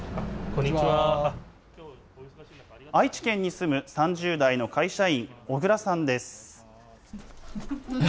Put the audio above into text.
愛知県に住む、３０代の会社員、小倉さんです。